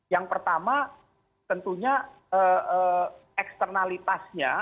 yang pertama tentunya eksternalitasnya